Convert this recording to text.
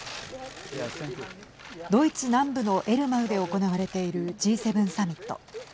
ドイツ南部のエルマウで行われているＧ７サミット。